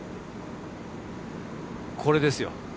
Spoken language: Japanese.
これですよ。